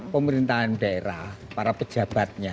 pemerintahan daerah para pejabatnya